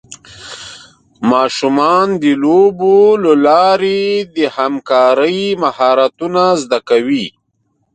ماشومان د لوبو له لارې د همکارۍ مهارتونه زده کوي.